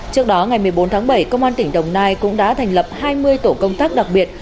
trước đó ngày một mươi bốn tháng bảy công an tỉnh đồng nai cũng đã thành lập hai mươi tổ công tác đặc biệt